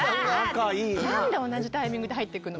何で同じタイミングで入るの！